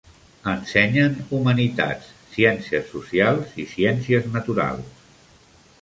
Ensenyen humanitats, ciències socials i ciències naturals.